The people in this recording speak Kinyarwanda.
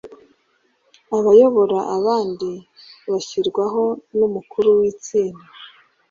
Abayobora abandi bashyirwaho n’ umukuru w’ istinda